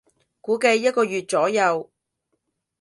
估計一個月左右